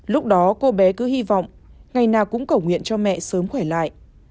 lúc đó cô bé cứ hy vọng ngày nào cũng cầu nguyện cho mẹ sớm khỏe lại